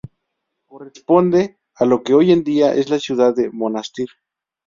Corresponde a lo que hoy en día es la ciudad de Monastir.